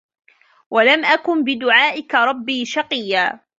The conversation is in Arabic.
وَلَمْ أَكُن بِدُعَائِكَ رَبِّ شَقِيًّا